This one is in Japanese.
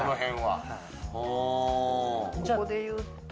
ここでいうと、